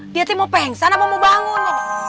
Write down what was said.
dia tuh mau pengsan apa mau bangun